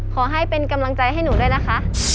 ขอให้เป็นกำลังใจให้หนูด้วยนะคะ